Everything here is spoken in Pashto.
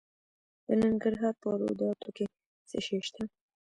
د ننګرهار په روداتو کې څه شی شته؟